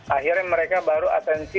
akhirnya mereka baru atensi